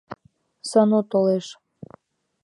Сану толеш.